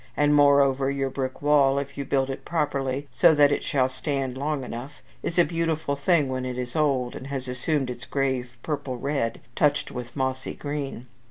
And, moreover, your brick wall, if you build it properly, so that it shall stand long enough, is a beautiful thing when it is old, and has assumed its grave purple red, touched with mossy green.